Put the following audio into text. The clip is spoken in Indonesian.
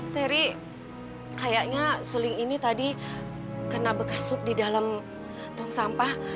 teri kayaknya suling ini tadi kena bekas sup di dalam tong sampah